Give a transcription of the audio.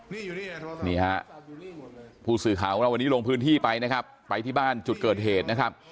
นี่ฮะผู้สื่อข่าวของเราวันนี้ลงพื้นที่ไปนะครับไปที่บ้านจุดเกิดเหตุนะครับ